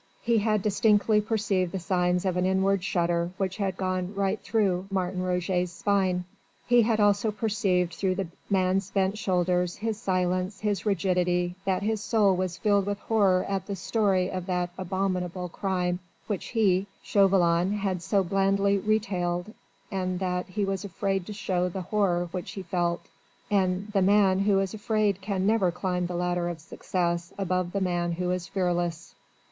He had distinctly perceived the signs of an inward shudder which had gone right through Martin Roget's spine: he had also perceived through the man's bent shoulders, his silence, his rigidity that his soul was filled with horror at the story of that abominable crime which he Chauvelin had so blandly retailed and that he was afraid to show the horror which he felt. And the man who is afraid can never climb the ladder of success above the man who is fearless.